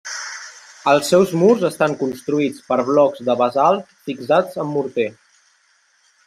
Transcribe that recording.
Els seus murs estan construïts per blocs de basalt fixats amb morter.